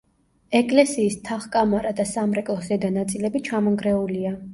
ეკლესიის თაღ-კამარა და სამრეკლოს ზედა ნაწილები ჩამონგრეულია.